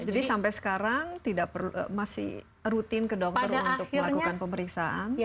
jadi sampai sekarang masih rutin ke dokter untuk melakukan pemeriksaan